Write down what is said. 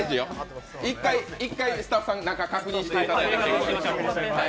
１回スタッフさん、中を確認していただいて。